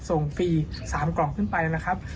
ส่งฟรีเลยนะ